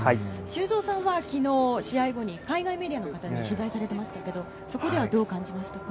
修造さんは昨日試合後に海外メディアの方に取材されていましたがそこではどう感じましたか？